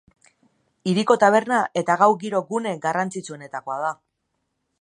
Hiriko taberna eta gau giro gune garrantzitsuenetakoa da.